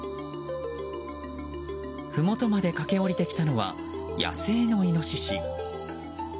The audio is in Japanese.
ふもとまで駆け下りてきたのは野生のイノシシ。